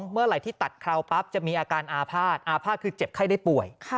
เมื่อไหร่ที่ตัดเคราวปั๊บจะมีอาการอาภาษณ์อาภาษณ์คือเจ็บไข้ได้ป่วย